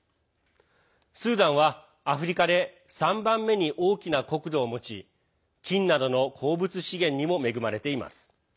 スーダンはアフリカで３番目に大きな国土を持ち金などの鉱物資源にも恵まれています。